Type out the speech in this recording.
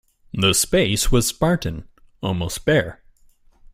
The space was spartan, almost bare.